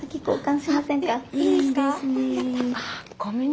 いいですね。